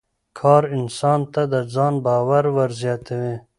کار انسان ته د ځان باور ور زیاتوي